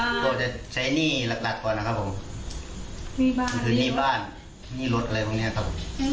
ก็จะใช้หนี้หลักก่อนนะครับถือหนี้บ้านหนี้รถอะไรพวกนี้ครับ